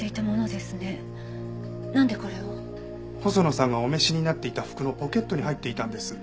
細野さんがお召しになっていた服のポケットに入っていたんです。